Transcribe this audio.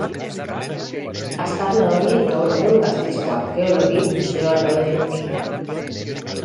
Aztarna horiek gaur egun Gasteizko Arkeologi Museoan daude ikusgai.